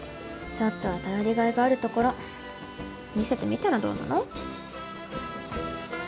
ちょっとは頼りがいがあるところ見せてみたらどうなの？